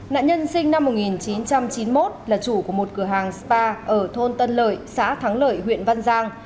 nạn nhân sinh năm một nghìn chín trăm chín mươi một là chủ của một cửa hàng spa ở thôn tân lợi xã thắng lợi huyện văn giang